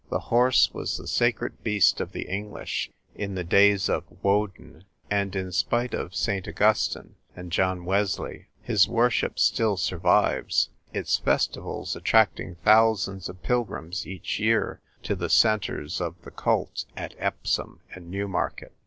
The horse was the sacred beast of the English in the days of Woden, and, in spite of St. Augustine and John Wesley, his worship still survives, its festivals attracting thousands of pilgrims each year to the centres of the cult at Epsom and Newmarket.